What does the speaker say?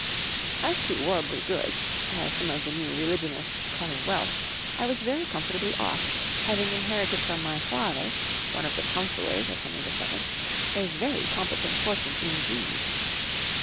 As to "worldly goods," as some of the new religionists call wealth, I was very comfortably off; having inherited from my father, one of the counselors of Henry VII, a very competent fortune indeed.